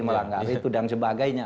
melanggar hitudang sebagainya